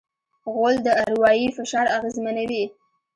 غول د اروایي فشار اغېزمنوي.